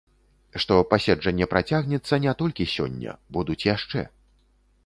Што паседжанне працягнецца не толькі сёння, будуць яшчэ.